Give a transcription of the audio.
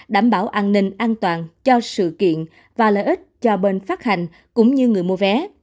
đảm bảo an ninh an toàn cho sự kiện và lợi ích cho bên phát hành cũng như người mua vé